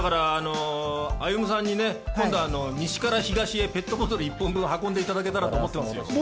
Ａｙｕｍｕさんに今度、西から東にペットボトル１本分運んでいただけたらと思いますよ。